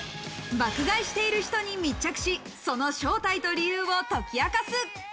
爆買いしている人に密着し、その正体と理由を解き明かす。